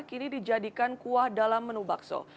kini dijadikan kuah dalam menu bakso